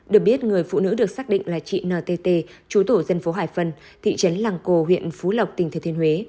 được biết người phụ nữ được xác định là chị ntt chú tổ dân phố hải vân thị trấn lăng cô huyện phú lộc tỉnh thế thiên huế